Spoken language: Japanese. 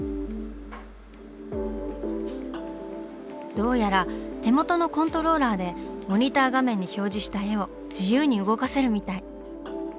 どうやら手元のコントローラーでモニター画面に表示した絵を自由に動かせるみたい。